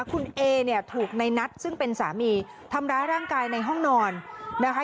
คุณเอเนี่ยถูกในนัทซึ่งเป็นสามีทำร้ายร่างกายในห้องนอนนะคะ